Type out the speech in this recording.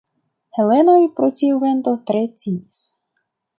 Helenoj pro tiu vento tre timis.